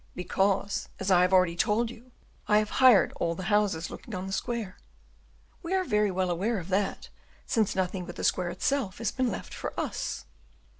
"Because, as I have already told you, I have hired all the houses looking on the square." "We are very well aware of that, since nothing but the square itself has been left for us."